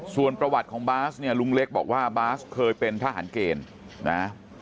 ส่วนประวัติของบาสเนี่ยลุงเล็กบอกว่าบาสเคยเป็นทหารเกณฑ์นะ